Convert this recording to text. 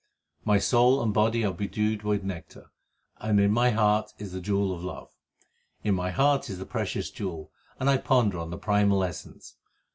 My soul and body are bedewed with nectar, And in my heart is the jewel of love : In my heart is the precious jewel, and I ponder on the Primal Essence.